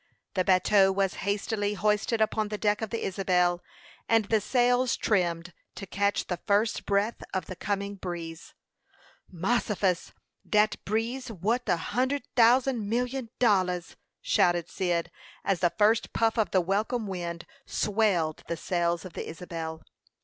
The bateau was hastily hoisted upon the deck of the Isabel, and the sails trimmed to catch the first breath of the coming breeze. "Mossifus! Dat breeze wuth a hun'd tousand million dollars!" shouted Cyd, as the first puff of the welcome wind swelled the sails of the Isabel.